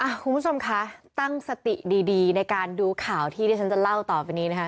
คุณผู้ชมคะตั้งสติดีดีในการดูข่าวที่ที่ฉันจะเล่าต่อไปนี้นะคะ